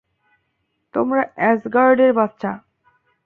তোমরা অ্যাসগার্ডের বাচ্চা।